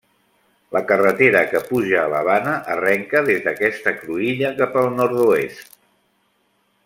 La carretera que puja a la Bana arrenca des d'aquesta cruïlla cap al nord-oest.